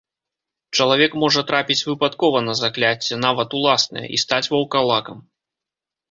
Чалавек можа трапіць выпадкова на закляцце, нават уласнае, і стаць ваўкалакам.